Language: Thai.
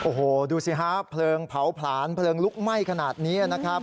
โอ้โหดูสิฮะเพลิงเผาผลาญเพลิงลุกไหม้ขนาดนี้นะครับ